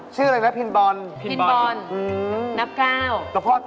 เจ้าเย็นค่ะสุสาว